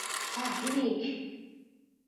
تهلیک